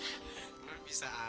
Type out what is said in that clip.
itu lagi adik lo apa